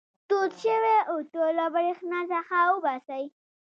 تود شوی اوتو له برېښنا څخه وباسئ.